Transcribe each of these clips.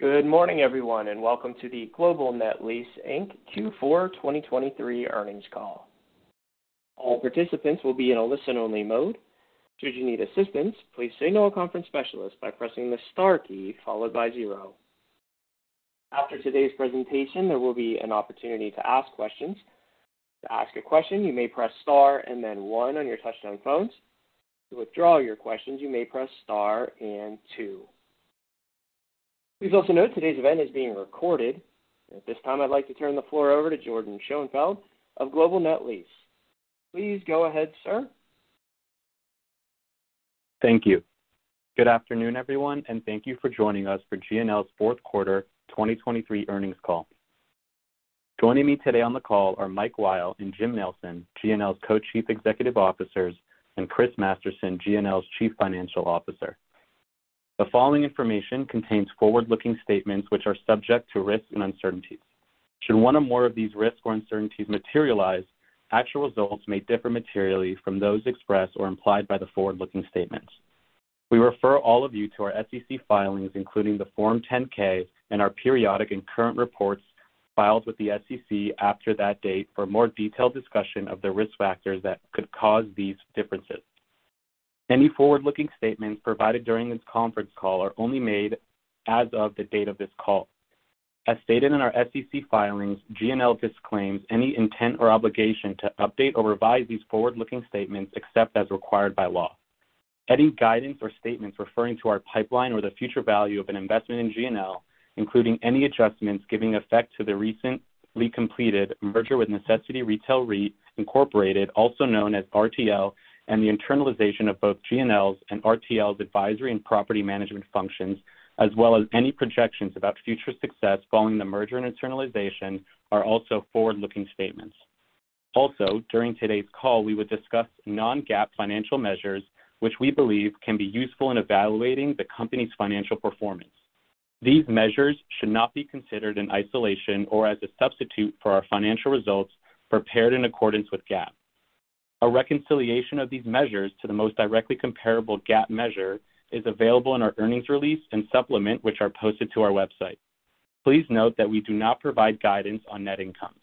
Good morning, everyone, and welcome to the Global Net Lease, Inc. Q4 2023 Earnings Call. All participants will be in a listen-only mode. Should you need assistance, please signal a conference specialist by pressing the star key followed by zero. After today's presentation, there will be an opportunity to ask questions. To ask a question, you may press star and then one on your touch-tone phones. To withdraw your questions, you may press star and two. Please also note today's event is being recorded, and at this time I'd like to turn the floor over to Jordyn Schoenfeld of Global Net Lease. Please go ahead, sir. Thank you. Good afternoon, everyone, and thank you for joining us for GNL's Fourth Quarter 2023 Earnings Call. Joining me today on the call are Mike Weil and Jim Nelson, GNL's Co-Chief Executive Officers, and Chris Masterson, GNL's Chief Financial Officer. The following information contains forward-looking statements which are subject to risks and uncertainties. Should one or more of these risks or uncertainties materialize, actual results may differ materially from those expressed or implied by the forward-looking statements. We refer all of you to our SEC filings, including the Form 10-K and our periodic and current reports filed with the SEC after that date for a more detailed discussion of the risk factors that could cause these differences. Any forward-looking statements provided during this conference call are only made as of the date of this call. As stated in our SEC filings, GNL disclaims any intent or obligation to update or revise these forward-looking statements except as required by law. Any guidance or statements referring to our pipeline or the future value of an investment in GNL, including any adjustments giving effect to the recently completed merger with Necessity Retail REIT, Incorporated, also known as RTL, and the internalization of both GNL's and RTL's advisory and property management functions, as well as any projections about future success following the merger and internalization, are also forward-looking statements. Also, during today's call, we would discuss non-GAAP financial measures, which we believe can be useful in evaluating the company's financial performance. These measures should not be considered in isolation or as a substitute for our financial results prepared in accordance with GAAP. A reconciliation of these measures to the most directly comparable GAAP measure is available in our earnings release and supplement, which are posted to our website. Please note that we do not provide guidance on net income.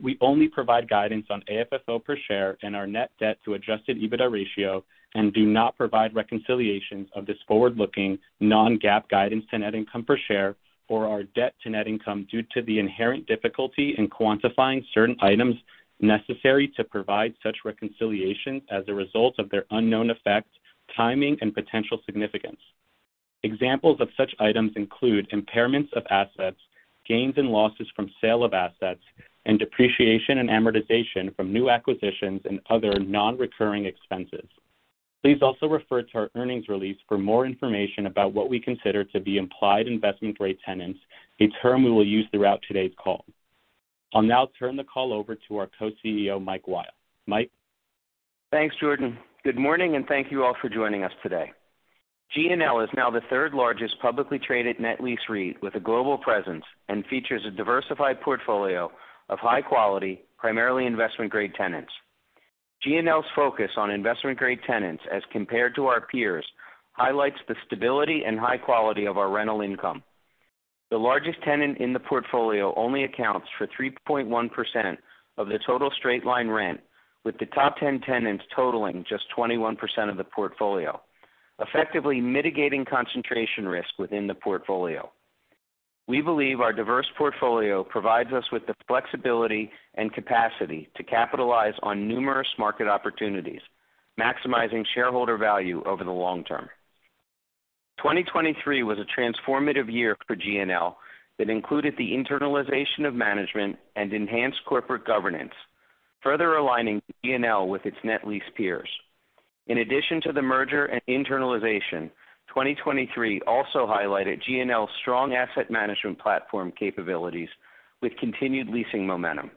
We only provide guidance on AFFO per share and our net debt to adjusted EBITDA ratio and do not provide reconciliations of this forward-looking non-GAAP guidance to net income per share or our debt to net income due to the inherent difficulty in quantifying certain items necessary to provide such reconciliations as a result of their unknown effect, timing, and potential significance. Examples of such items include impairments of assets, gains and losses from sale of assets, and depreciation and amortization from new acquisitions and other non-recurring expenses. Please also refer to our earnings release for more information about what we consider to be implied investment grade tenants, a term we will use throughout today's call. I'll now turn the call over to our Co-CEO, Mike Weil. Mike? Thanks, Jordyn. Good morning, and thank you all for joining us today. GNL is now the third-largest publicly traded net lease REIT with a global presence and features a diversified portfolio of high-quality, primarily investment-grade tenants. GNL's focus on investment-grade tenants as compared to our peers highlights the stability and high quality of our rental income. The largest tenant in the portfolio only accounts for 3.1% of the total straight-line rent, with the top 10 tenants totaling just 21% of the portfolio, effectively mitigating concentration risk within the portfolio. We believe our diverse portfolio provides us with the flexibility and capacity to capitalize on numerous market opportunities, maximizing shareholder value over the long term. 2023 was a transformative year for GNL that included the internalization of management and enhanced corporate governance, further aligning GNL with its net lease peers. In addition to the merger and internalization, 2023 also highlighted GNL's strong asset management platform capabilities with continued leasing momentum.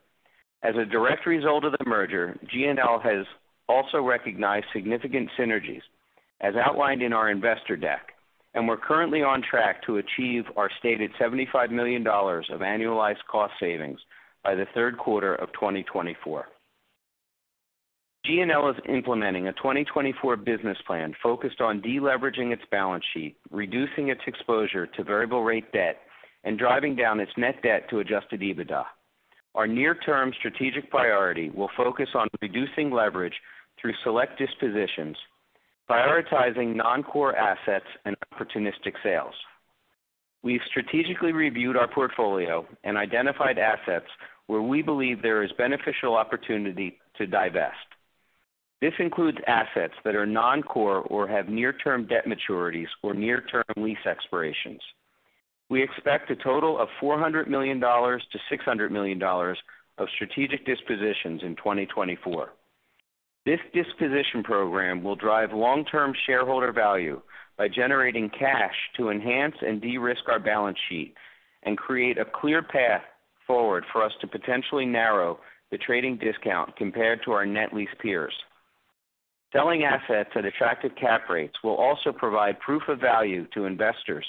As a direct result of the merger, GNL has also recognized significant synergies, as outlined in our investor deck, and we're currently on track to achieve our stated $75 million of annualized cost savings by the third quarter of 2024. GNL is implementing a 2024 business plan focused on deleveraging its balance sheet, reducing its exposure to variable-rate debt, and driving down its net debt to adjusted EBITDA. Our near-term strategic priority will focus on reducing leverage through select dispositions, prioritizing non-core assets and opportunistic sales. We've strategically reviewed our portfolio and identified assets where we believe there is beneficial opportunity to divest. This includes assets that are non-core or have near-term debt maturities or near-term lease expirations. We expect a total of $400 million-$600 million of strategic dispositions in 2024. This disposition program will drive long-term shareholder value by generating cash to enhance and de-risk our balance sheet and create a clear path forward for us to potentially narrow the trading discount compared to our net lease peers. Selling assets at attractive cap rates will also provide proof of value to investors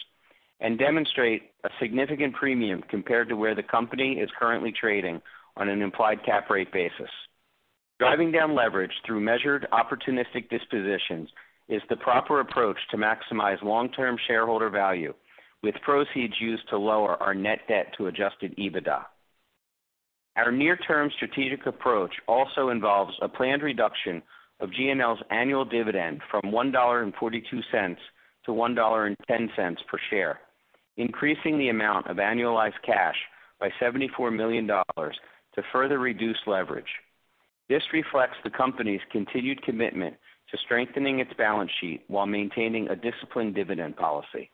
and demonstrate a significant premium compared to where the company is currently trading on an implied cap rate basis. Driving down leverage through measured opportunistic dispositions is the proper approach to maximize long-term shareholder value, with proceeds used to lower our net debt to adjusted EBITDA. Our near-term strategic approach also involves a planned reduction of GNL's annual dividend from $1.42-$1.10 per share, increasing the amount of annualized cash by $74 million to further reduce leverage. This reflects the company's continued commitment to strengthening its balance sheet while maintaining a disciplined dividend policy.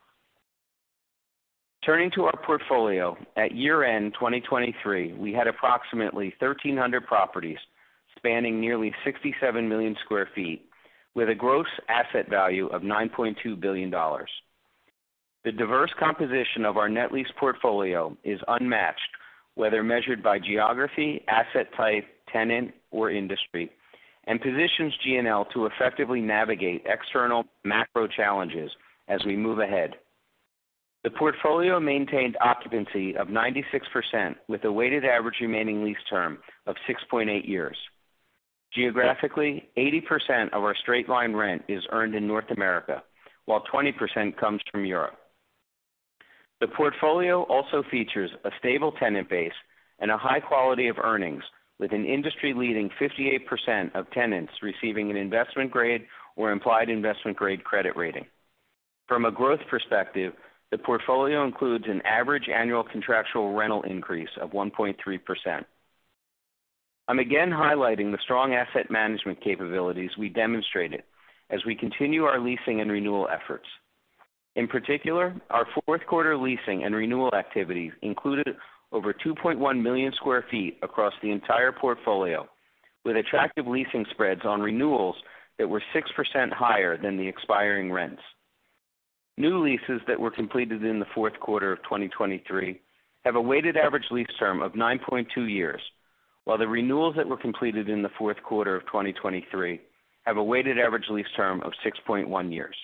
Turning to our portfolio, at year-end 2023, we had approximately 1,300 properties spanning nearly 67 million sq ft with a gross asset value of $9.2 billion. The diverse composition of our net lease portfolio is unmatched, whether measured by geography, asset type, tenant, or industry, and positions GNL to effectively navigate external macro challenges as we move ahead. The portfolio maintained occupancy of 96% with a weighted average remaining lease term of 6.8 years. Geographically, 80% of our straight-line rent is earned in North America, while 20% comes from Europe. The portfolio also features a stable tenant base and a high quality of earnings, with an industry-leading 58% of tenants receiving an investment-grade or implied investment-grade credit rating. From a growth perspective, the portfolio includes an average annual contractual rental increase of 1.3%. I'm again highlighting the strong asset management capabilities we demonstrated as we continue our leasing and renewal efforts. In particular, our fourth quarter leasing and renewal activities included over 2.1 million sq ft across the entire portfolio, with attractive leasing spreads on renewals that were 6% higher than the expiring rents. New leases that were completed in the fourth quarter of 2023 have a weighted average lease term of 9.2 years, while the renewals that were completed in the fourth quarter of 2023 have a weighted average lease term of 6.1 years.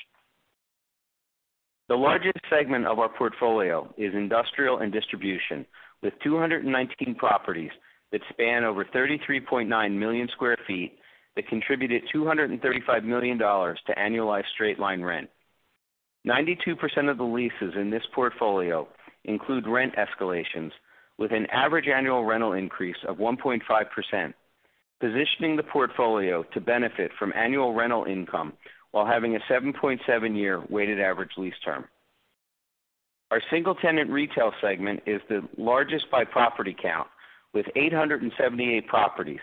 The largest segment of our portfolio is industrial and distribution, with 219 properties that span over 33.9 million sq ft that contributed $235 million to annualized straight-line rent. 92% of the leases in this portfolio include rent escalations, with an average annual rental increase of 1.5%, positioning the portfolio to benefit from annual rental income while having a 7.7-year weighted average lease term. Our single-tenant retail segment is the largest by property count, with 878 properties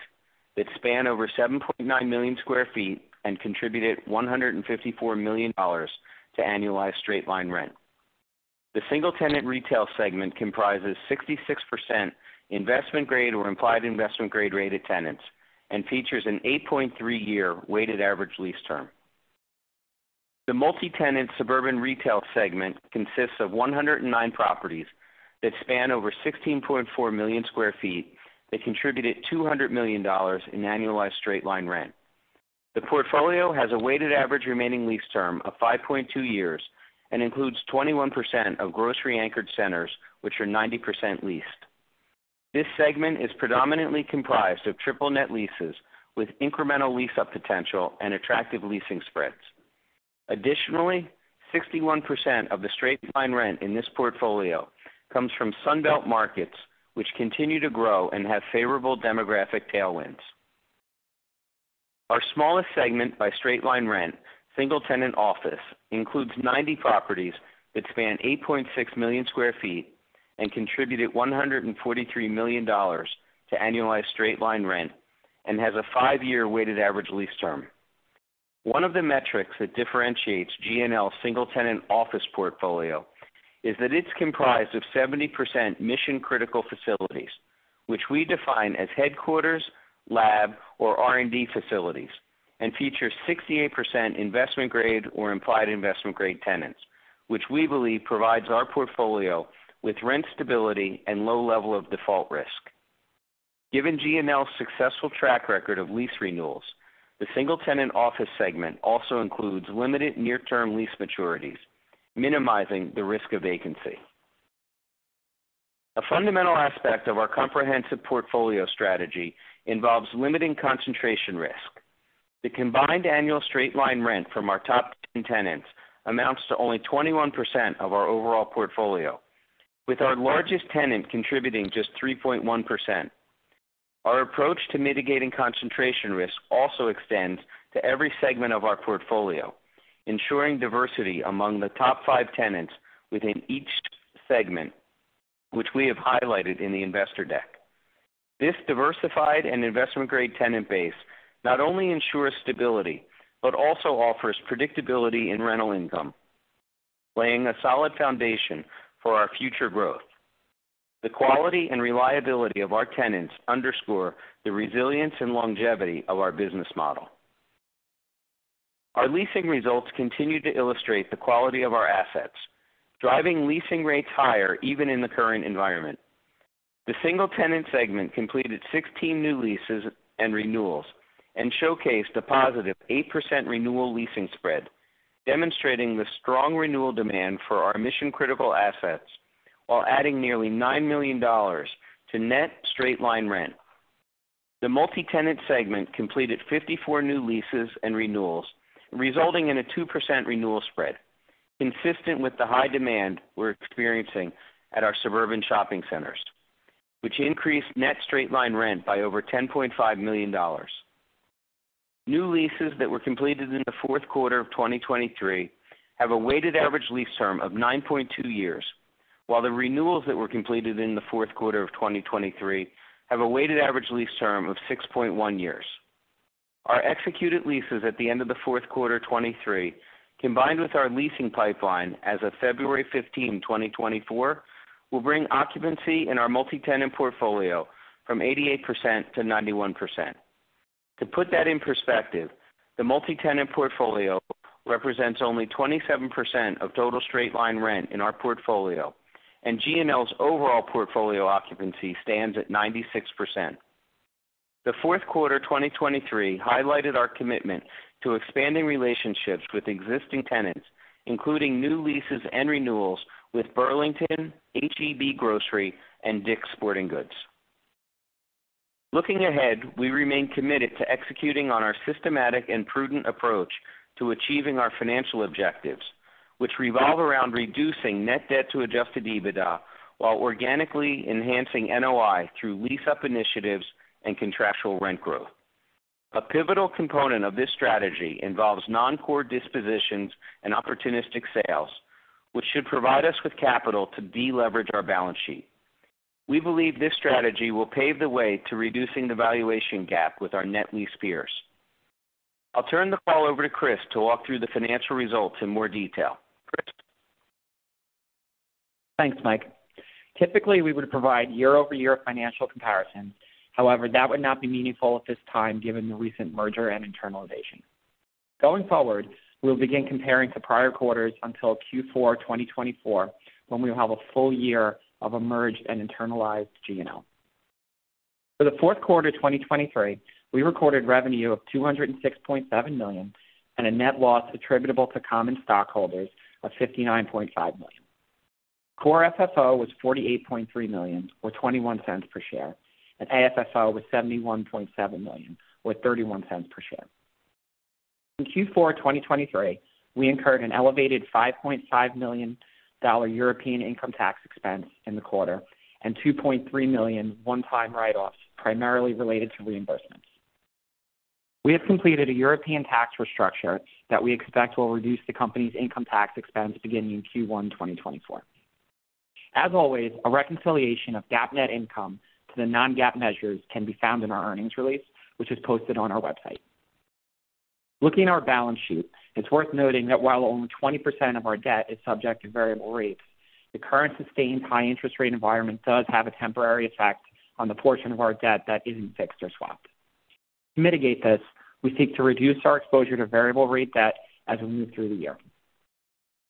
that span over 7.9 million sq ft and contributed $154 million to annualized straight-line rent. The single-tenant retail segment comprises 66% investment grade or implied investment grade rated tenants and features an 8.3-year weighted average lease term. The multi-tenant suburban retail segment consists of 109 properties that span over 16.4 million sq ft that contributed $200 million in annualized straight-line rent. The portfolio has a weighted average remaining lease term of 5.2 years and includes 21% of grocery-anchored centers, which are 90% leased. This segment is predominantly comprised of triple net leases with incremental lease-up potential and attractive leasing spreads. Additionally, 61% of the straight-line rent in this portfolio comes from Sunbelt markets, which continue to grow and have favorable demographic tailwinds. Our smallest segment by straight-line rent, single-tenant office, includes 90 properties that span 8.6 million sq ft and contributed $143 million to annualized straight-line rent and has a 5-year weighted average lease term. One of the metrics that differentiates GNL's single-tenant office portfolio is that it's comprised of 70% mission-critical facilities, which we define as headquarters, lab, or R&D facilities, and features 68% investment grade or implied investment grade tenants, which we believe provides our portfolio with rent stability and low level of default risk. Given GNL's successful track record of lease renewals, the single-tenant office segment also includes limited near-term lease maturities, minimizing the risk of vacancy. A fundamental aspect of our comprehensive portfolio strategy involves limiting concentration risk. The combined annual straight-line rent from our top 10 tenants amounts to only 21% of our overall portfolio, with our largest tenant contributing just 3.1%. Our approach to mitigating concentration risk also extends to every segment of our portfolio, ensuring diversity among the top 5 tenants within each segment, which we have highlighted in the investor deck. This diversified and investment-grade tenant base not only ensures stability but also offers predictability in rental income, laying a solid foundation for our future growth. The quality and reliability of our tenants underscore the resilience and longevity of our business model. Our leasing results continue to illustrate the quality of our assets, driving leasing rates higher even in the current environment. The single-tenant segment completed 16 new leases and renewals and showcased a +8% renewal leasing spread, demonstrating the strong renewal demand for our mission-critical assets while adding nearly $9 million to net straight-line rent. The multi-tenant segment completed 54 new leases and renewals, resulting in a 2% renewal spread, consistent with the high demand we're experiencing at our suburban shopping centers, which increased net straight-line rent by over $10.5 million. New leases that were completed in the fourth quarter of 2023 have a weighted average lease term of 9.2 years, while the renewals that were completed in the fourth quarter of 2023 have a weighted average lease term of 6.1 years. Our executed leases at the end of the fourth quarter 2023, combined with our leasing pipeline as of February 15, 2024, will bring occupancy in our multi-tenant portfolio from 88%-91%. To put that in perspective, the multi-tenant portfolio represents only 27% of total straight-line rent in our portfolio, and GNL's overall portfolio occupancy stands at 96%. The fourth quarter 2023 highlighted our commitment to expanding relationships with existing tenants, including new leases and renewals with Burlington, H-E-B Grocery, and Dick's Sporting Goods. Looking ahead, we remain committed to executing on our systematic and prudent approach to achieving our financial objectives, which revolve around reducing net debt to adjusted EBITDA while organically enhancing NOI through lease-up initiatives and contractual rent growth. A pivotal component of this strategy involves non-core dispositions and opportunistic sales, which should provide us with capital to deleverage our balance sheet. We believe this strategy will pave the way to reducing the valuation gap with our net lease peers. I'll turn the call over to Chris to walk through the financial results in more detail. Chris? Thanks, Mike. Typically, we would provide year-over-year financial comparisons. However, that would not be meaningful at this time given the recent merger and internalization. Going forward, we'll begin comparing to prior quarters until Q4 2024, when we will have a full year of a merged and internalized GNL. For the fourth quarter 2023, we recorded revenue of $206.7 million and a net loss attributable to common stockholders of $59.5 million. Core FFO was $48.3 million or $0.21 per share, and AFFO was $71.7 million or $0.31 per share. In Q4 2023, we incurred an elevated $5.5 million European income tax expense in the quarter and $2.3 million one-time write-offs primarily related to reimbursements. We have completed a European tax restructure that we expect will reduce the company's income tax expense beginning in Q1 2024. As always, a reconciliation of GAAP net income to the non-GAAP measures can be found in our earnings release, which is posted on our website. Looking at our balance sheet, it's worth noting that while only 20% of our debt is subject to variable rates, the current sustained high-interest-rate environment does have a temporary effect on the portion of our debt that isn't fixed or swapped. To mitigate this, we seek to reduce our exposure to variable-rate debt as we move through the year.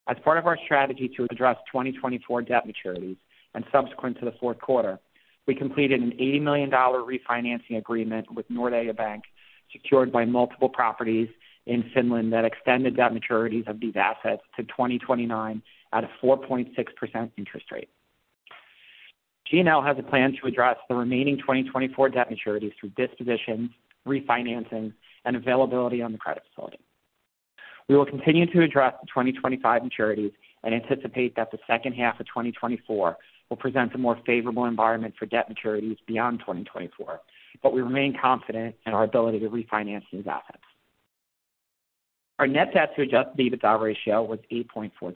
As part of our strategy to address 2024 debt maturities and subsequent to the fourth quarter, we completed an $80 million refinancing agreement with Nordea Bank, secured by multiple properties in Finland that extended debt maturities of these assets to 2029 at a 4.6% interest rate. GNL has a plan to address the remaining 2024 debt maturities through dispositions, refinancing, and availability on the credit facility. We will continue to address the 2025 maturities and anticipate that the second half of 2024 will present a more favorable environment for debt maturities beyond 2024, but we remain confident in our ability to refinance these assets. Our net debt to adjusted EBITDA ratio was 8.4x.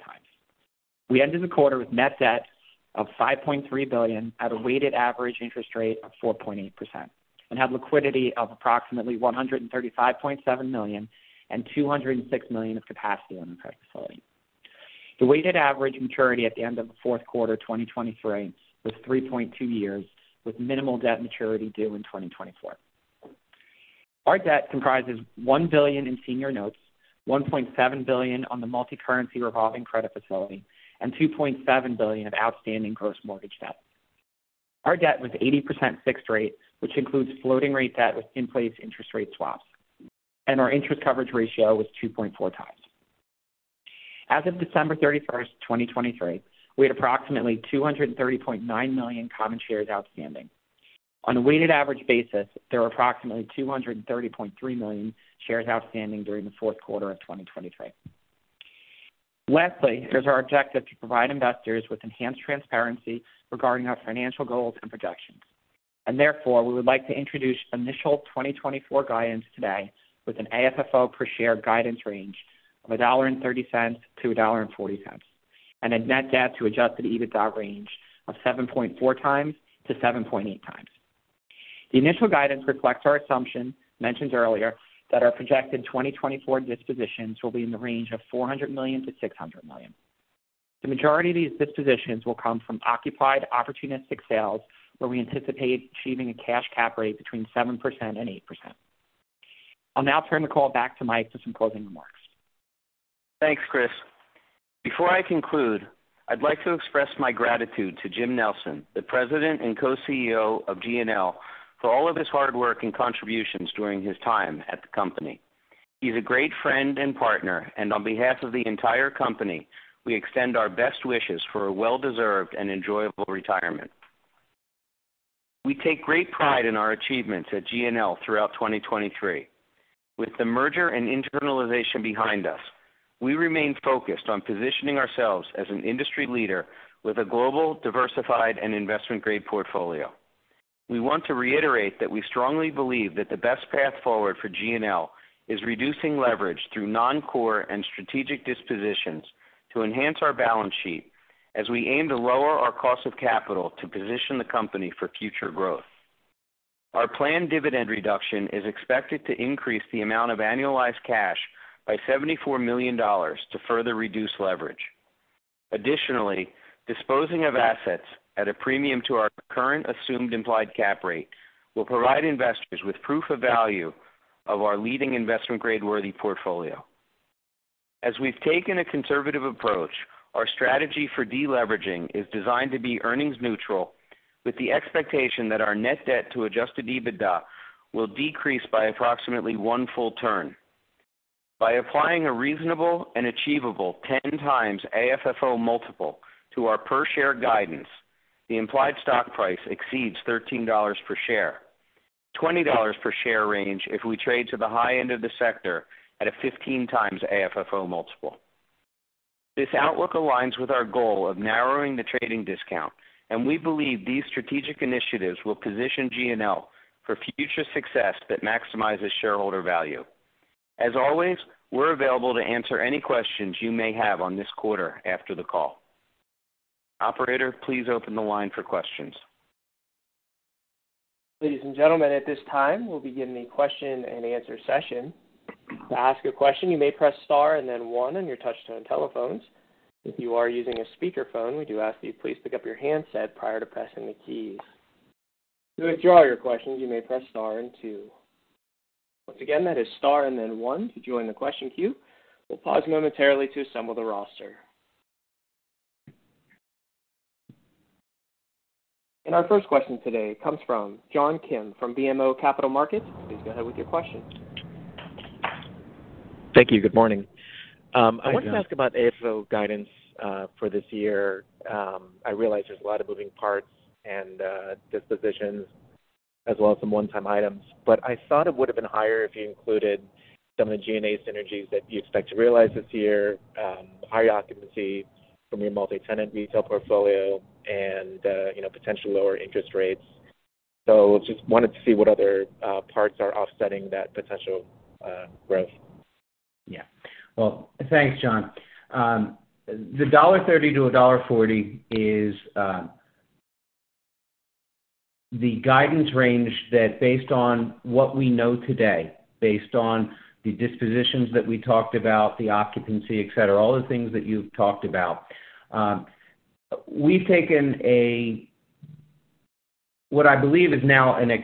We ended the quarter with net debt of $5.3 billion at a weighted average interest rate of 4.8% and had liquidity of approximately $135.7 million and $206 million of capacity on the credit facility. The weighted average maturity at the end of the fourth quarter 2023 was 3.2 years, with minimal debt maturity due in 2024. Our debt comprises $1 billion in senior notes, $1.7 billion on the multicurrency revolving credit facility, and $2.7 billion of outstanding gross mortgage debt. Our debt was 80% fixed rate, which includes floating-rate debt with in-place interest rate swaps, and our interest coverage ratio was 2.4x. As of December 31, 2023, we had approximately 230.9 million common shares outstanding. On a weighted average basis, there are approximately 230.3 million shares outstanding during the fourth quarter of 2023. Lastly, there's our objective to provide investors with enhanced transparency regarding our financial goals and projections, and therefore we would like to introduce initial 2024 guidance today with an AFFO per share guidance range of $1.30-$1.40 and a net debt to adjusted EBITDA range of 7.4x-7.8x. The initial guidance reflects our assumption, mentioned earlier, that our projected 2024 dispositions will be in the range of $400 million-$600 million. The majority of these dispositions will come from occupied opportunistic sales, where we anticipate achieving a cash cap rate between 7%-8%. I'll now turn the call back to Mike for some closing remarks. Thanks, Chris. Before I conclude, I'd like to express my gratitude to Jim Nelson, the President and Co-CEO of GNL, for all of his hard work and contributions during his time at the company. He's a great friend and partner, and on behalf of the entire company, we extend our best wishes for a well-deserved and enjoyable retirement. We take great pride in our achievements at GNL throughout 2023. With the merger and internalization behind us, we remain focused on positioning ourselves as an industry leader with a global, diversified, and investment-grade portfolio. We want to reiterate that we strongly believe that the best path forward for GNL is reducing leverage through non-core and strategic dispositions to enhance our balance sheet, as we aim to lower our cost of capital to position the company for future growth. Our planned dividend reduction is expected to increase the amount of annualized cash by $74 million to further reduce leverage. Additionally, disposing of assets at a premium to our current assumed implied cap rate will provide investors with proof of value of our leading investment-grade worthy portfolio. As we've taken a conservative approach, our strategy for deleveraging is designed to be earnings-neutral, with the expectation that our net debt to adjusted EBITDA will decrease by approximately one full turn. By applying a reasonable and achievable 10x AFFO multiple to our per share guidance, the implied stock price exceeds $13 per share, a $20 per share range if we trade to the high end of the sector at a 15x AFFO multiple. This outlook aligns with our goal of narrowing the trading discount, and we believe these strategic initiatives will position GNL for future success that maximizes shareholder value. As always, we're available to answer any questions you may have on this quarter after the call. Operator, please open the line for questions. Ladies and gentlemen, at this time, we'll begin the question and answer session. To ask a question, you may press star and then one on your touchscreen telephones. If you are using a speakerphone, we do ask that you please pick up your handset prior to pressing the keys. To withdraw your questions, you may press star and two. Once again, that is star and then one to join the question queue. We'll pause momentarily to assemble the roster. Our first question today comes from John Kim from BMO Capital Markets. Please go ahead with your question. Thank you. Good morning. I wanted to ask about AFFO guidance for this year. I realize there's a lot of moving parts and dispositions as well as some one-time items, but I thought it would have been higher if you included some of the GNL synergies that you expect to realize this year, higher occupancy from your multi-tenant retail portfolio, and potentially lower interest rates. So just wanted to see what other parts are offsetting that potential growth. Yeah. Well, thanks, John. The $1.30-$1.40 is the guidance range that, based on what we know today, based on the dispositions that we talked about, the occupancy, etc., all the things that you've talked about, we've taken what I believe is now a kind of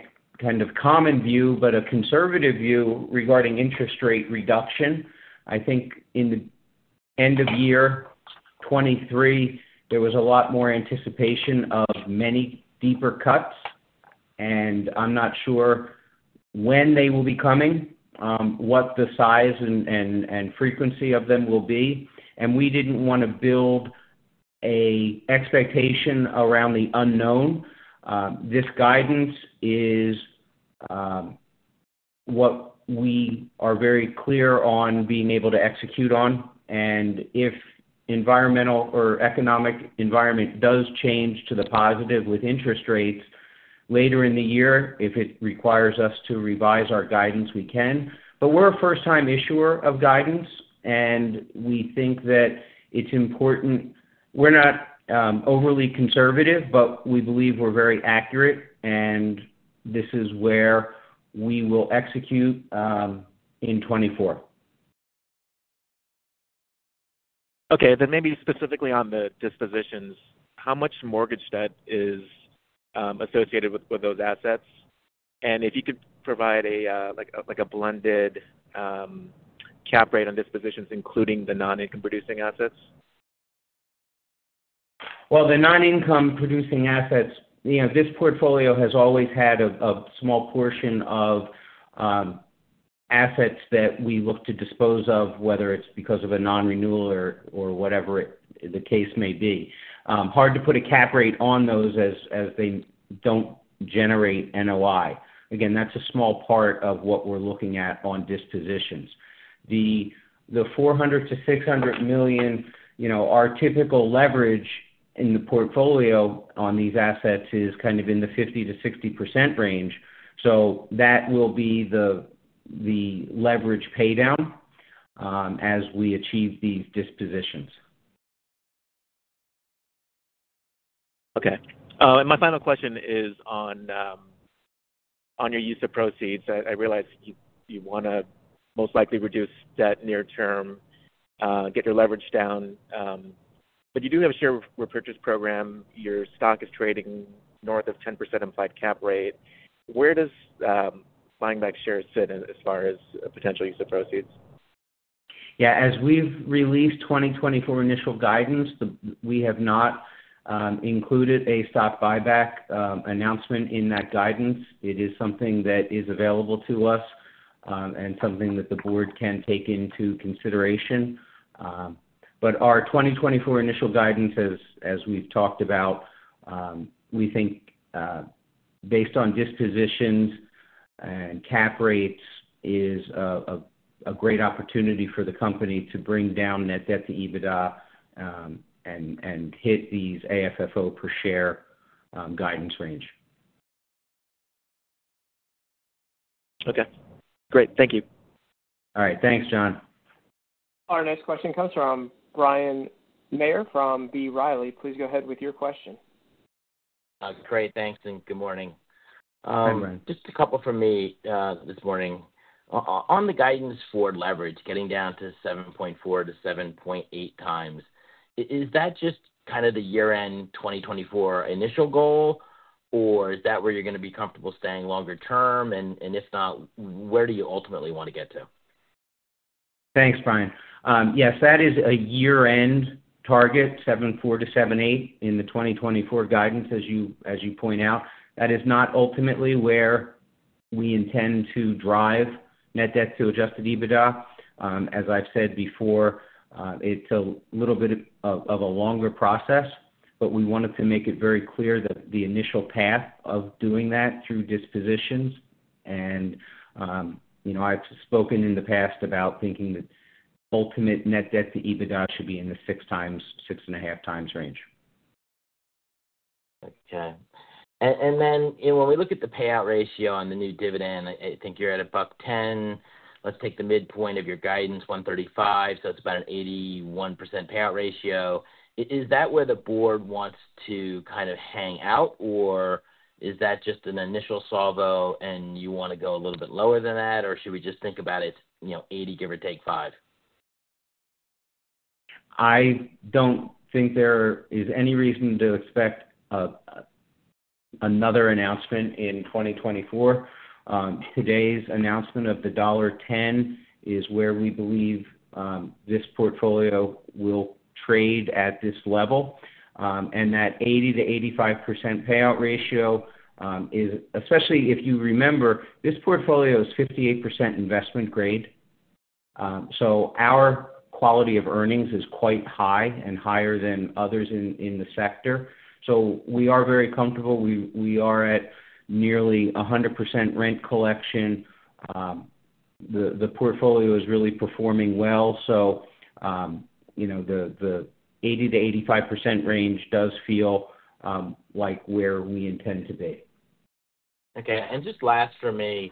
common view but a conservative view regarding interest rate reduction. I think in the end of year 2023, there was a lot more anticipation of many deeper cuts, and I'm not sure when they will be coming, what the size and frequency of them will be. We didn't want to build an expectation around the unknown. This guidance is what we are very clear on being able to execute on. If the economic environment does change to the positive with interest rates later in the year, if it requires us to revise our guidance, we can. We're a first-time issuer of guidance, and we think that it's important. We're not overly conservative, but we believe we're very accurate, and this is where we will execute in 2024. Okay. Then maybe specifically on the dispositions, how much mortgage debt is associated with those assets? And if you could provide a blended cap rate on dispositions, including the non-income-producing assets. Well, the non-income-producing assets, this portfolio has always had a small portion of assets that we look to dispose of, whether it's because of a non-renewal or whatever the case may be. Hard to put a cap rate on those as they don't generate NOI. Again, that's a small part of what we're looking at on dispositions. The $400-$600 million, our typical leverage in the portfolio on these assets is kind of in the 50%-60% range. So that will be the leverage paydown as we achieve these dispositions. Okay. My final question is on your use of proceeds. I realize you want to most likely reduce debt near term, get your leverage down, but you do have a share repurchase program. Your stock is trading north of 10% implied cap rate. Where does buying back shares sit as far as potential use of proceeds? Yeah. As we've released 2024 initial guidance, we have not included a stock buyback announcement in that guidance. It is something that is available to us and something that the board can take into consideration. But our 2024 initial guidance, as we've talked about, we think based on dispositions and cap rates, is a great opportunity for the company to bring down net debt to EBITDA and hit these AFFO per share guidance range. Okay. Great. Thank you. All right. Thanks, John. Our next question comes from Bryan Maher from B. Riley. Please go ahead with your question. Great. Thanks, and good morning. Just a couple from me this morning. On the guidance for leverage, getting down to 7.4x-7.8x, is that just kind of the year-end 2024 initial goal, or is that where you're going to be comfortable staying longer term? And if not, where do you ultimately want to get to? Thanks, Brian. Yes, that is a year-end target, 7.4-7.8 in the 2024 guidance, as you point out. That is not ultimately where we intend to drive net debt to adjusted EBITDA. As I've said before, it's a little bit of a longer process, but we wanted to make it very clear that the initial path of doing that through dispositions. I've spoken in the past about thinking that ultimate net debt to EBITDA should be in the 6.5x range. Okay. Then when we look at the payout ratio on the new dividend, I think you're at $1.10. Let's take the midpoint of your guidance, $1.35, so it's about an 81% payout ratio. Is that where the board wants to kind of hang out, or is that just an initial salvo and you want to go a little bit lower than that, or should we just think about it's 80, give or take 5? I don't think there is any reason to expect another announcement in 2024. Today's announcement of the $1.10 is where we believe this portfolio will trade at this level. And that 80%-85% payout ratio, especially if you remember, this portfolio is 58% investment grade. So our quality of earnings is quite high and higher than others in the sector. So we are very comfortable. We are at nearly 100% rent collection. The portfolio is really performing well, so the 80%-85% range does feel like where we intend to be. Okay. And just last from me,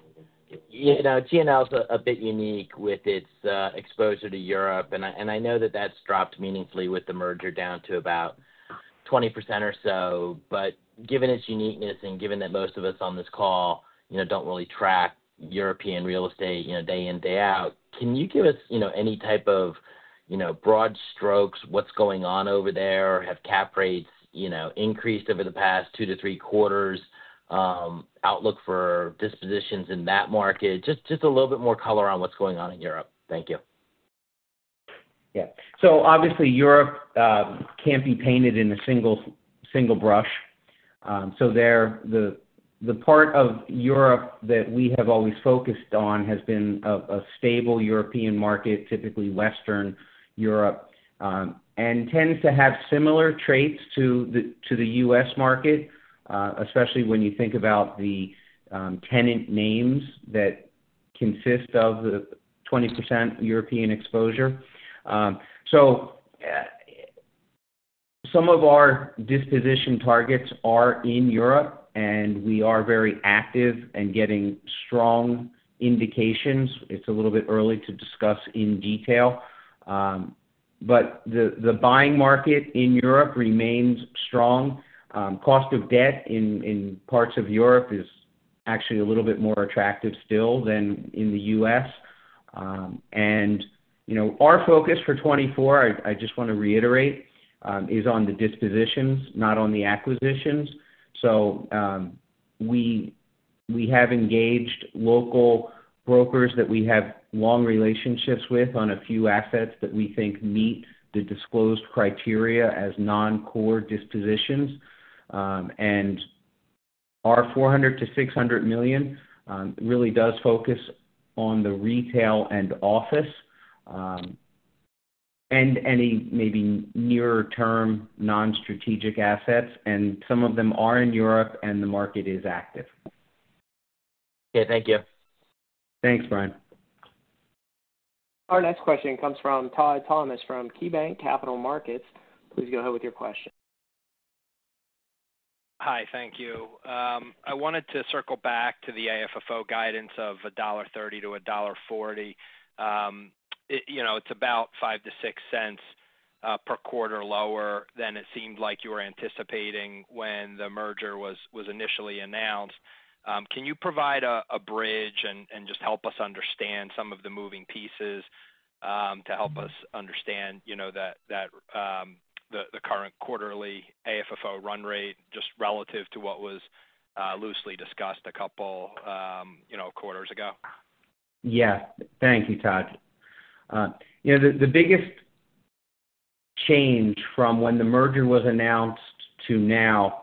GNL is a bit unique with its exposure to Europe, and I know that that's dropped meaningfully with the merger down to about 20% or so. But given its uniqueness and given that most of us on this call don't really track European real estate day in, day out, can you give us any type of broad strokes what's going on over there? Have cap rates increased over the past 2-3 quarters? Outlook for dispositions in that market? Just a little bit more color on what's going on in Europe. Thank you. Yeah. So obviously, Europe can't be painted in a single brush. So the part of Europe that we have always focused on has been a stable European market, typically Western Europe, and tends to have similar traits to the U.S. market, especially when you think about the tenant names that consist of the 20% European exposure. So some of our disposition targets are in Europe, and we are very active and getting strong indications. It's a little bit early to discuss in detail, but the buying market in Europe remains strong. Cost of debt in parts of Europe is actually a little bit more attractive still than in the U.S. And our focus for 2024, I just want to reiterate, is on the dispositions, not on the acquisitions. We have engaged local brokers that we have long relationships with on a few assets that we think meet the disclosed criteria as non-core dispositions. Our $400-$600 million really does focus on the retail and office and any maybe nearer-term non-strategic assets. Some of them are in Europe, and the market is active. Okay. Thank you. Thanks, Bryan. Our next question comes from Todd Thomas from KeyBanc Capital Markets. Please go ahead with your question. Hi. Thank you. I wanted to circle back to the AFFO guidance of $1.30-$1.40. It's about $0.05-$0.06 per quarter lower than it seemed like you were anticipating when the merger was initially announced. Can you provide a bridge and just help us understand some of the moving pieces to help us understand the current quarterly AFFO run rate just relative to what was loosely discussed a couple quarters ago? Yeah. Thank you, Todd. The biggest change from when the merger was announced to now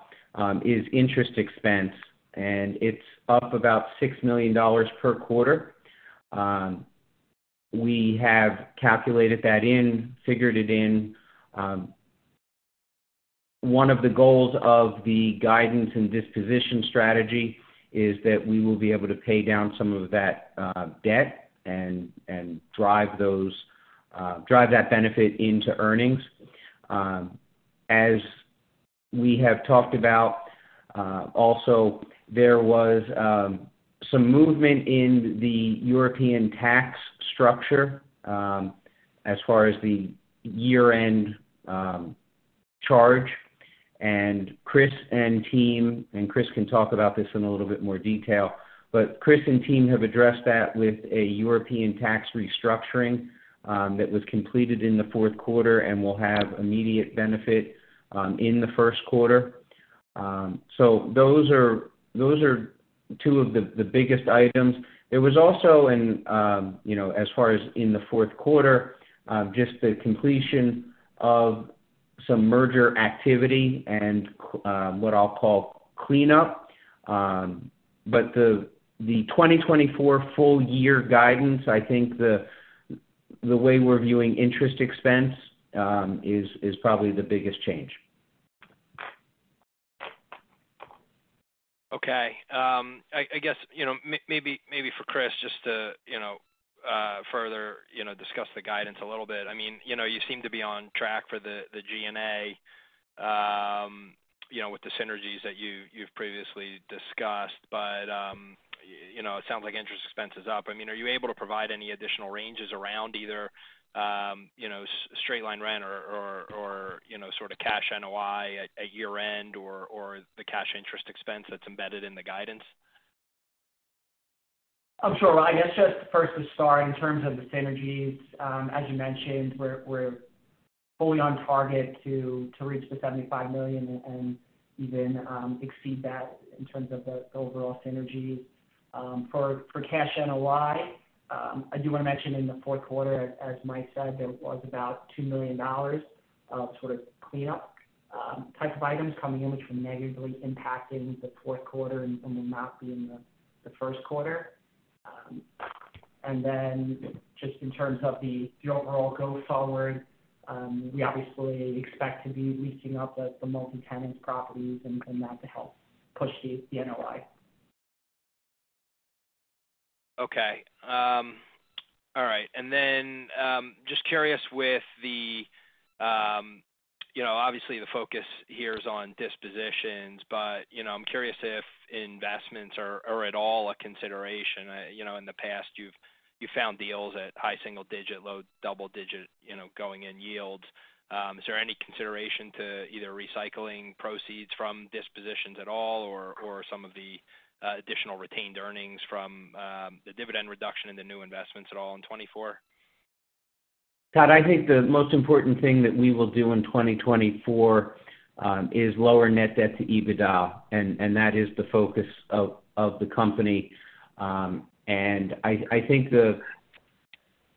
is interest expense, and it's up about $6 million per quarter. We have calculated that in, figured it in. One of the goals of the guidance and disposition strategy is that we will be able to pay down some of that debt and drive that benefit into earnings. As we have talked about, also, there was some movement in the European tax structure as far as the year-end charge. Chris and team and Chris can talk about this in a little bit more detail, but Chris and team have addressed that with a European tax restructuring that was completed in the fourth quarter and will have immediate benefit in the first quarter. So those are two of the biggest items. There was also, as far as in the fourth quarter, just the completion of some merger activity and what I'll call cleanup. But the 2024 full-year guidance, I think the way we're viewing interest expense is probably the biggest change. Okay. I guess maybe for Chris, just to further discuss the guidance a little bit, I mean, you seem to be on track for the GNL with the synergies that you've previously discussed, but it sounds like interest expense is up. I mean, are you able to provide any additional ranges around either straight-line rent or sort of cash NOI at year-end or the cash interest expense that's embedded in the guidance? I'm sure. I guess just first to start, in terms of the synergies, as you mentioned, we're fully on target to reach the $75 million and even exceed that in terms of the overall synergies. For cash NOI, I do want to mention in the fourth quarter, as Mike said, there was about $2 million of sort of cleanup type of items coming in, which were negatively impacting the fourth quarter and will not be in the first quarter. Then just in terms of the overall go-forward, we obviously expect to be leasing up the multi-tenant properties and that to help push the NOI. Okay. All right. And then just curious with the obviously, the focus here is on dispositions, but I'm curious if investments are at all a consideration. In the past, you've found deals at high single-digit, low double-digit going-in yields. Is there any consideration to either recycling proceeds from dispositions at all or some of the additional retained earnings from the dividend reduction and the new investments at all in 2024? Todd, I think the most important thing that we will do in 2024 is lower net debt to EBITDA, and that is the focus of the company. I think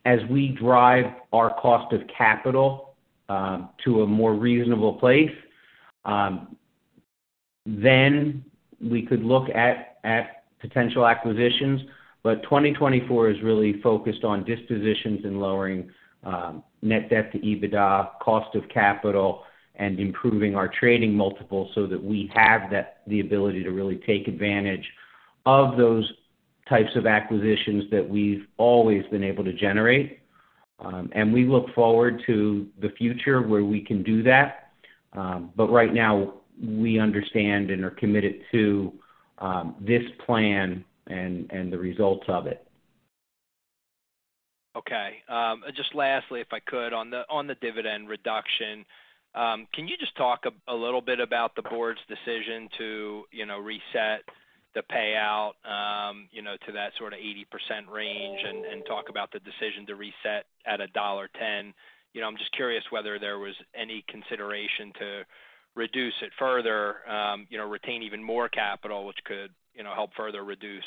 as we drive our cost of capital to a more reasonable place, then we could look at potential acquisitions. 2024 is really focused on dispositions and lowering net debt to EBITDA, cost of capital, and improving our trading multiple so that we have the ability to really take advantage of those types of acquisitions that we've always been able to generate. We look forward to the future where we can do that. Right now, we understand and are committed to this plan and the results of it. Okay. And just lastly, if I could, on the dividend reduction, can you just talk a little bit about the board's decision to reset the payout to that sort of 80% range and talk about the decision to reset at a $1.10? I'm just curious whether there was any consideration to reduce it further, retain even more capital, which could help further reduce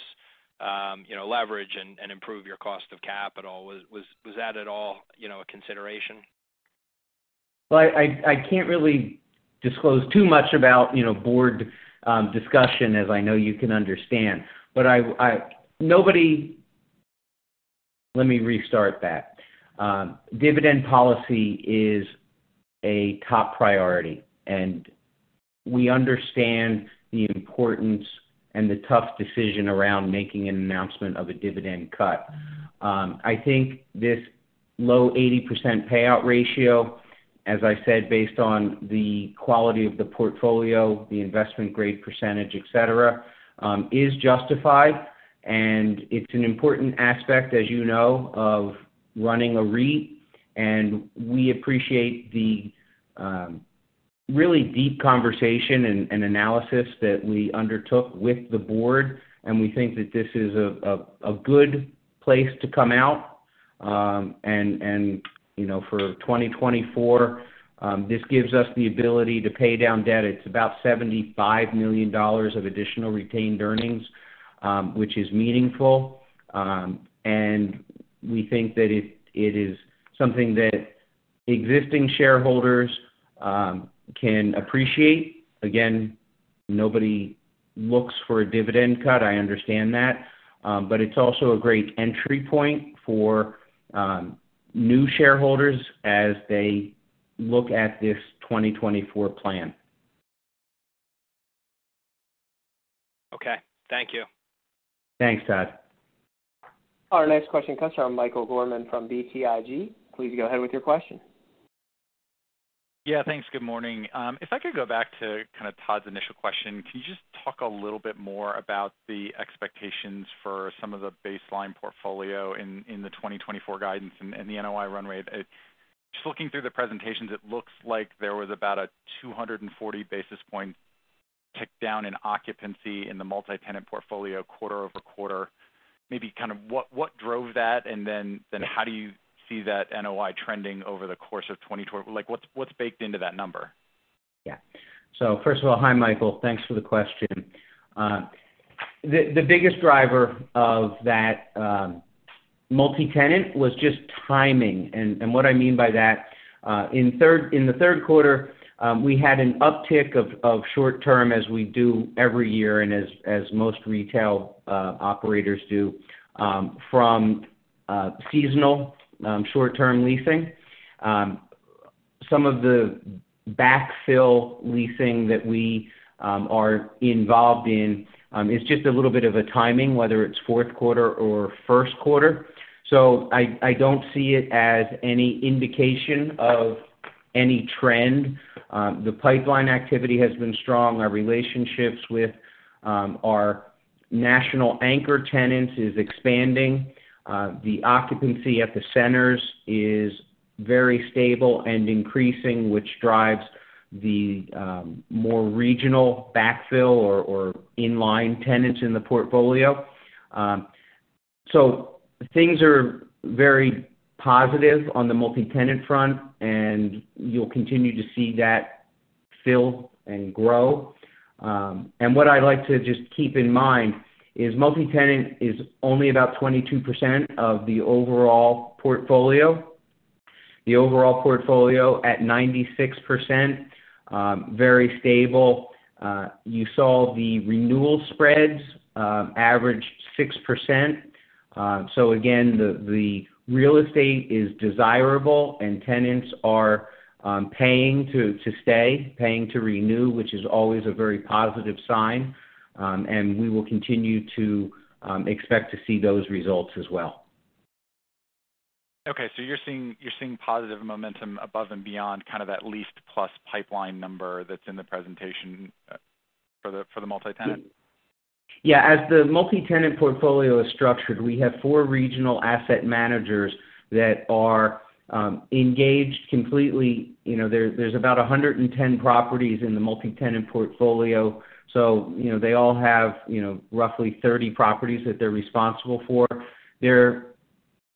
leverage and improve your cost of capital. Was that at all a consideration? Well, I can't really disclose too much about board discussion, as I know you can understand. But let me restart that. Dividend policy is a top priority, and we understand the importance and the tough decision around making an announcement of a dividend cut. I think this low 80% payout ratio, as I said, based on the quality of the portfolio, the investment-grade percentage, etc., is justified. And it's an important aspect, as you know, of running a REIT. And we appreciate the really deep conversation and analysis that we undertook with the board, and we think that this is a good place to come out. And for 2024, this gives us the ability to pay down debt. It's about $75 million of additional retained earnings, which is meaningful. And we think that it is something that existing shareholders can appreciate. Again, nobody looks for a dividend cut. I understand that. But it's also a great entry point for new shareholders as they look at this 2024 plan. Okay. Thank you. Thanks, Todd. Our next question comes from Michael Gorman from BTIG. Please go ahead with your question. Yeah. Thanks. Good morning. If I could go back to kind of Todd's initial question, can you just talk a little bit more about the expectations for some of the baseline portfolio in the 2024 guidance and the NOI run rate? Just looking through the presentations, it looks like there was about a 240 basis points tick down in occupancy in the multi-tenant portfolio quarter-over-quarter. Maybe kind of what drove that, and then how do you see that NOI trending over the course of 2024? What's baked into that number? Yeah. So first of all, hi, Michael. Thanks for the question. The biggest driver of that multi-tenant was just timing. And what I mean by that, in the third quarter, we had an uptick of short-term, as we do every year and as most retail operators do, from seasonal short-term leasing. Some of the backfill leasing that we are involved in is just a little bit of a timing, whether it's fourth quarter or first quarter. So I don't see it as any indication of any trend. The pipeline activity has been strong. Our relationships with our national anchor tenants is expanding. The occupancy at the centers is very stable and increasing, which drives the more regional backfill or inline tenants in the portfolio. So things are very positive on the multi-tenant front, and you'll continue to see that fill and grow. What I'd like to just keep in mind is multi-tenant is only about 22% of the overall portfolio. The overall portfolio at 96%, very stable. You saw the renewal spreads average 6%. So again, the real estate is desirable, and tenants are paying to stay, paying to renew, which is always a very positive sign. We will continue to expect to see those results as well. Okay. So you're seeing positive momentum above and beyond kind of that lease-plus pipeline number that's in the presentation for the multi-tenant? Yeah. As the multi-tenant portfolio is structured, we have four regional asset managers that are engaged completely. There's about 110 properties in the multi-tenant portfolio, so they all have roughly 30 properties that they're responsible for. They're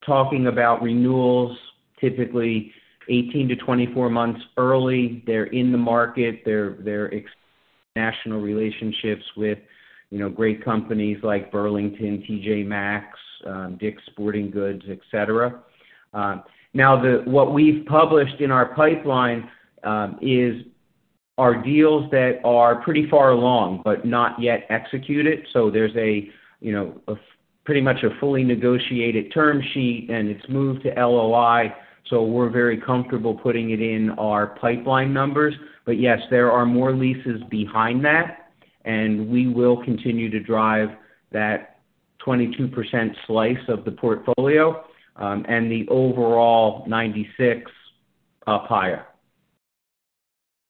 talking about renewals, typically 18-24 months early. They're in the market. They're international relationships with great companies like Burlington, T.J. Maxx, Dick's Sporting Goods, etc. Now, what we've published in our pipeline is our deals that are pretty far along but not yet executed. So there's pretty much a fully negotiated term sheet, and it's moved to LOI, so we're very comfortable putting it in our pipeline numbers. But yes, there are more leases behind that, and we will continue to drive that 22% slice of the portfolio and the overall 96% up higher.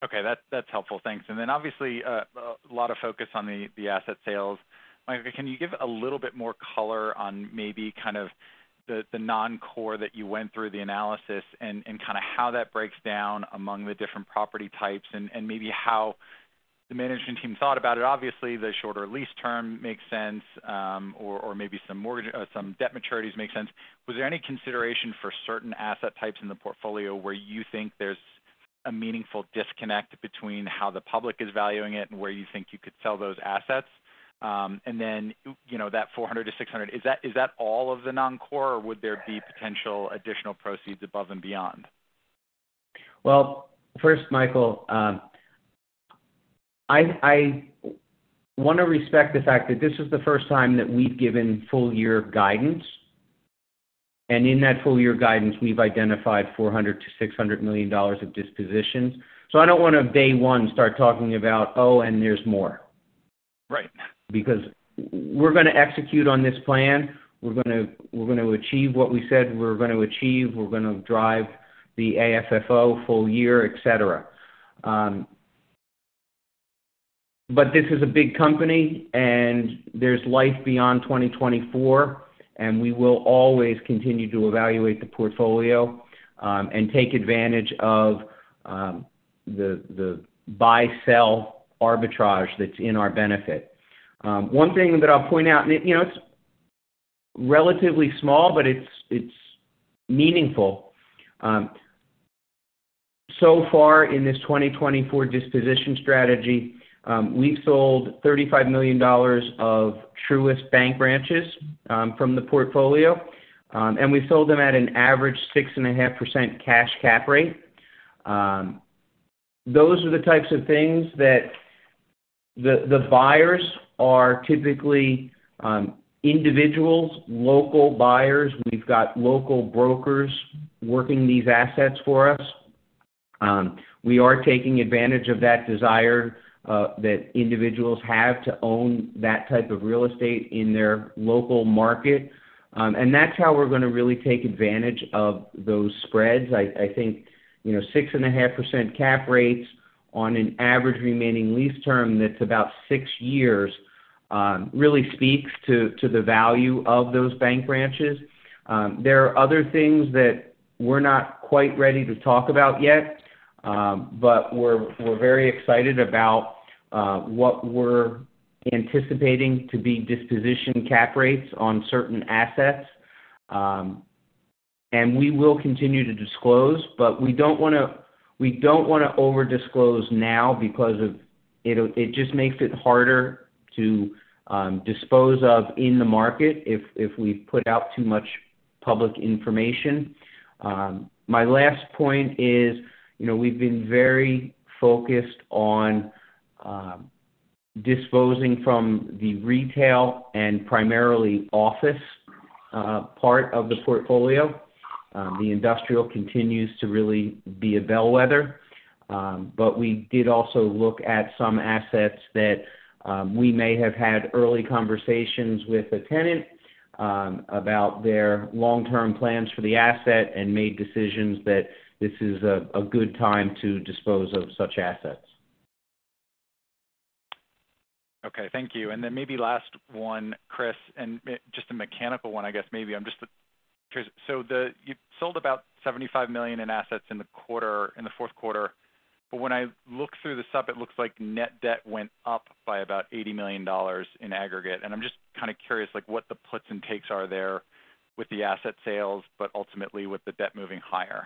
Okay. That's helpful. Thanks. Then obviously, a lot of focus on the asset sales. Michael, can you give a little bit more color on maybe kind of the non-core that you went through the analysis and kind of how that breaks down among the different property types and maybe how the management team thought about it? Obviously, the shorter lease term makes sense, or maybe some debt maturities make sense. Was there any consideration for certain asset types in the portfolio where you think there's a meaningful disconnect between how the public is valuing it and where you think you could sell those assets? Then that $400-$600, is that all of the non-core, or would there be potential additional proceeds above and beyond? Well, first, Michael, I want to respect the fact that this is the first time that we've given full-year guidance. In that full-year guidance, we've identified $400 million-$600 million of dispositions. So I don't want to, day one, start talking about, "Oh, and there's more," because we're going to execute on this plan. We're going to achieve what we said we're going to achieve. We're going to drive the AFFO full year, etc. But this is a big company, and there's life beyond 2024. We will always continue to evaluate the portfolio and take advantage of the buy-sell arbitrage that's in our benefit. One thing that I'll point out, and it's relatively small, but it's meaningful. So far in this 2024 disposition strategy, we've sold $35 million of Truist bank branches from the portfolio, and we've sold them at an average 6.5% cash cap rate. Those are the types of things that the buyers are typically individuals, local buyers. We've got local brokers working these assets for us. We are taking advantage of that desire that individuals have to own that type of real estate in their local market. And that's how we're going to really take advantage of those spreads. I think 6.5% cap rates on an average remaining lease term that's about six years really speaks to the value of those bank branches. There are other things that we're not quite ready to talk about yet, but we're very excited about what we're anticipating to be disposition cap rates on certain assets. And we will continue to disclose, but we don't want to we don't want to overdisclose now because it just makes it harder to dispose of in the market if we've put out too much public information. My last point is we've been very focused on disposing from the retail and primarily office part of the portfolio. The industrial continues to really be a bellwether. But we did also look at some assets that we may have had early conversations with a tenant about their long-term plans for the asset and made decisions that this is a good time to dispose of such assets. Okay. Thank you. And then maybe last one, Chris, and just a mechanical one, I guess, maybe. I'm just curious. So you've sold about $75 million in assets in the fourth quarter. But when I look through the supplement, it looks like net debt went up by about $80 million in aggregate. And I'm just kind of curious what the puts and takes are there with the asset sales, but ultimately with the debt moving higher.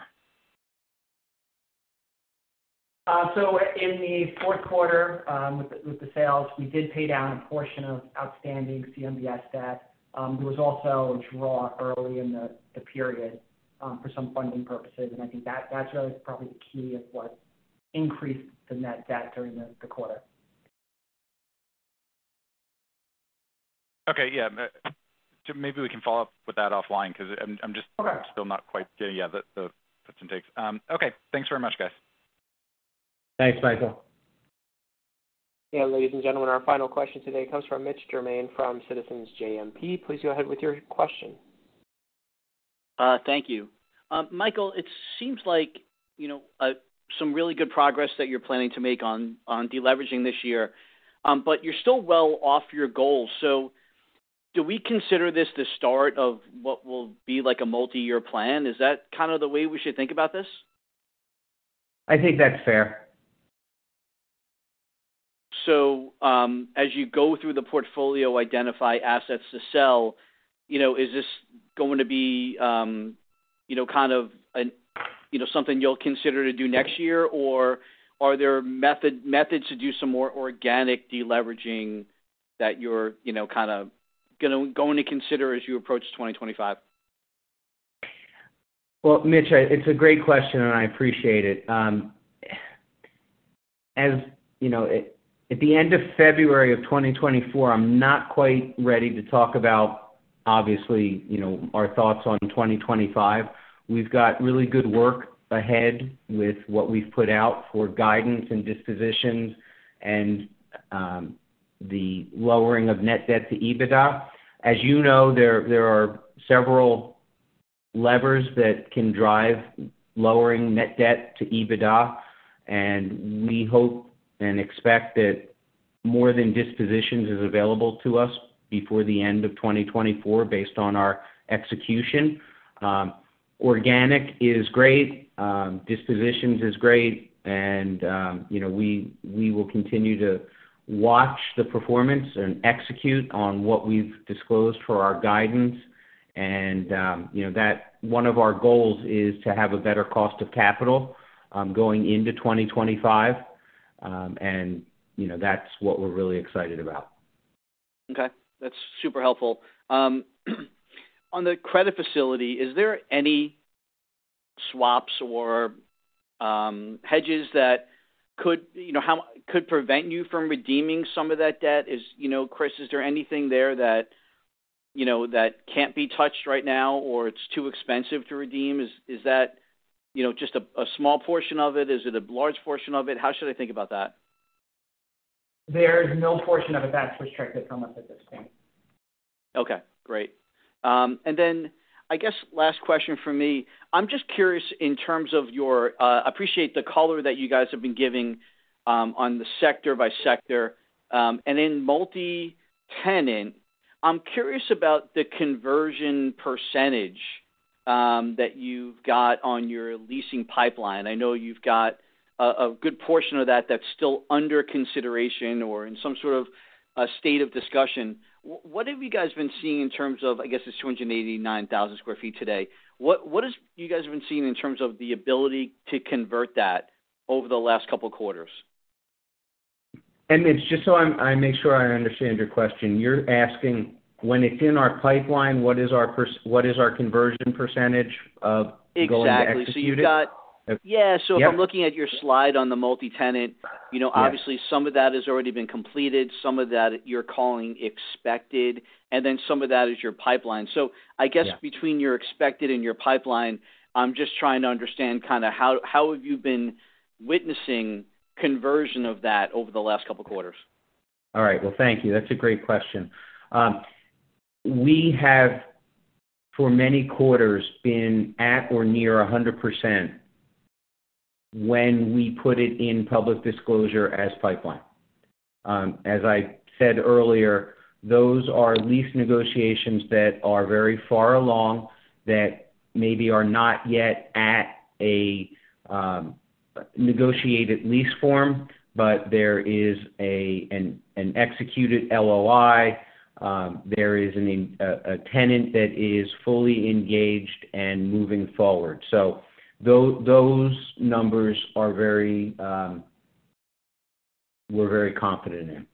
So in the fourth quarter, with the sales, we did pay down a portion of outstanding CMBS debt. There was also a draw early in the period for some funding purposes. I think that's really probably the key of what increased the net debt during the quarter. Okay. Yeah. Maybe we can follow up with that offline because I'm just still not quite getting, yeah, the puts and takes. Okay. Thanks very much, guys. Thanks, Michael. Yeah. Ladies and gentlemen, our final question today comes from Mitch Germain from Citizens JMP. Please go ahead with your question. Thank you. Michael, it seems like some really good progress that you're planning to make on deleveraging this year, but you're still well off your goal. So do we consider this the start of what will be a multi-year plan? Is that kind of the way we should think about this? I think that's fair. So as you go through the portfolio, identify assets to sell, is this going to be kind of something you'll consider to do next year, or are there methods to do some more organic deleveraging that you're kind of going to consider as you approach 2025? Well, Mitch, it's a great question, and I appreciate it. At the end of February of 2024, I'm not quite ready to talk about, obviously, our thoughts on 2025. We've got really good work ahead with what we've put out for guidance and dispositions and the lowering of net debt to EBITDA. As you know, there are several levers that can drive lowering net debt to EBITDA, and we hope and expect that more than dispositions is available to us before the end of 2024 based on our execution. Organic is great. Dispositions is great. And we will continue to watch the performance and execute on what we've disclosed for our guidance. And one of our goals is to have a better cost of capital going into 2025, and that's what we're really excited about. Okay. That's super helpful. On the credit facility, is there any swaps or hedges that could prevent you from redeeming some of that debt? Chris, is there anything there that can't be touched right now or it's too expensive to redeem? Is that just a small portion of it? Is it a large portion of it? How should I think about that? There's no portion of it that's restricted from us at this point. Okay. Great. And then I guess last question for me. I'm just curious in terms of your, I appreciate the color that you guys have been giving on the sector by sector. And in multi-tenant, I'm curious about the conversion percentage that you've got on your leasing pipeline. I know you've got a good portion of that that's still under consideration or in some sort of state of discussion. What have you guys been seeing in terms of, I guess, it's 289,000 sq ft today. What have you guys been seeing in terms of the ability to convert that over the last couple of quarters? Mitch, just so I make sure I understand your question, you're asking when it's in our pipeline, what is our conversion percentage of globally executed? Exactly. Yeah. So if I'm looking at your slide on the multi-tenant, obviously, some of that has already been completed. Some of that you're calling expected. And then some of that is your pipeline. So I guess between your expected and your pipeline, I'm just trying to understand kind of how have you been witnessing conversion of that over the last couple of quarters? All right. Well, thank you. That's a great question. We have, for many quarters, been at or near 100% when we put it in public disclosure as pipeline. As I said earlier, those are lease negotiations that are very far along that maybe are not yet at a negotiated lease form, but there is an executed LOI. There is a tenant that is fully engaged and moving forward. So those numbers we're very confident in.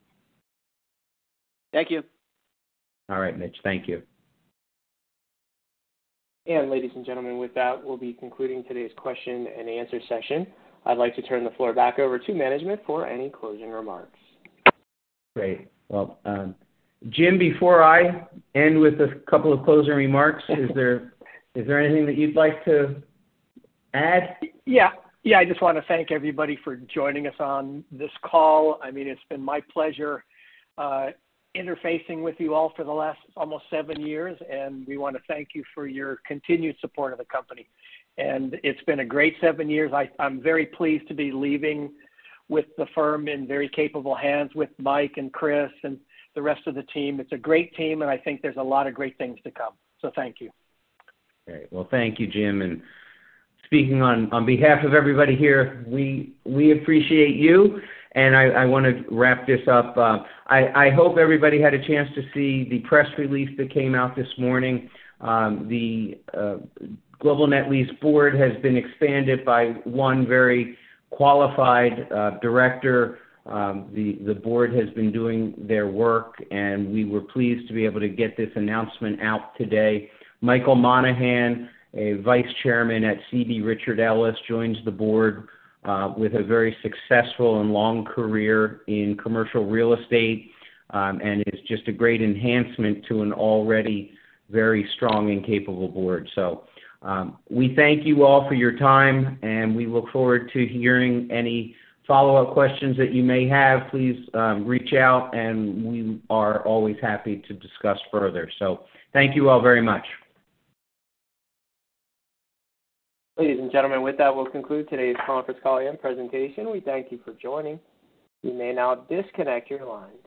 Thank you. All right, Mitch. Thank you. Ladies and gentlemen, with that, we'll be concluding today's question and answer session. I'd like to turn the floor back over to management for any closing remarks. Great. Well, Jim, before I end with a couple of closing remarks, is there anything that you'd like to add? Yeah. Yeah. I just want to thank everybody for joining us on this call. I mean, it's been my pleasure interfacing with you all for the last almost seven years, and we want to thank you for your continued support of the company. And it's been a great seven years. I'm very pleased to be leaving with the firm in very capable hands with Mike and Chris and the rest of the team. It's a great team, and I think there's a lot of great things to come. So thank you. Great. Well, thank you, Jim. And speaking on behalf of everybody here, we appreciate you. And I want to wrap this up. I hope everybody had a chance to see the press release that came out this morning. The Global Net Lease Board has been expanded by one very qualified director. The board has been doing their work, and we were pleased to be able to get this announcement out today. Michael Monahan, a vice chairman at CBRE, joins the board with a very successful and long career in commercial real estate and is just a great enhancement to an already very strong and capable board. So we thank you all for your time, and we look forward to hearing any follow-up questions that you may have. Please reach out, and we are always happy to discuss further. So thank you all very much. Ladies and gentlemen, with that, we'll conclude today's conference call and presentation. We thank you for joining. You may now disconnect your lines.